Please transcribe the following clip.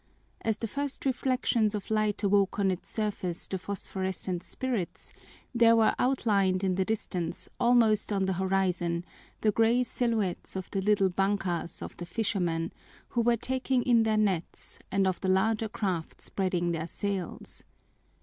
As the first reflections of light awoke on its surface the phosphorescent spirits, there were outlined in the distance, almost on the horizon, the gray silhouettes of the little bankas of the fishermen who were taking in their nets and of the larger craft spreading their sails.